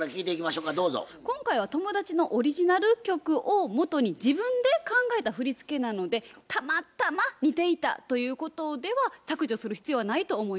今回は友達のオリジナル曲をもとに自分で考えた振り付けなのでたまたま似ていたということでは削除する必要はないと思います。